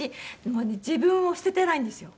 もうね自分を捨ててないんですよ。